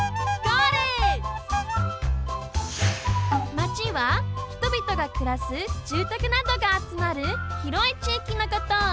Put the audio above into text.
「町」はひとびとがくらすじゅうたくなどがあつまるひろいちいきのこと。